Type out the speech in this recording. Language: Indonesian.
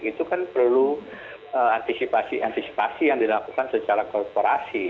itu kan perlu antisipasi antisipasi yang dilakukan secara korporasi